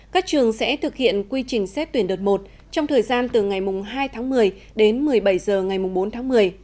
các trường sẽ thực hiện quy trình xét tuyển đợt một trong thời gian từ ngày hai tháng một mươi đến một mươi bảy h ngày bốn tháng một mươi